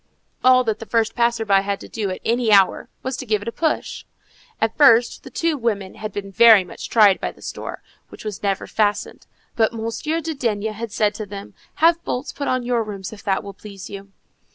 All that the first passer by had to do at any hour, was to give it a push. At first, the two women had been very much tried by this door, which was never fastened, but Monsieur de D—— had said to them, "Have bolts put on your rooms, if that will please you."